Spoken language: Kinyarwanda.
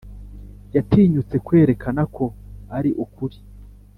yatinyutse kwerekana ko ari ukuri,